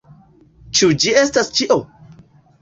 Ĉu ĝi estas ĉio?